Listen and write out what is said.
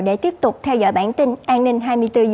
để tiếp tục theo dõi bản tin an ninh hai mươi bốn h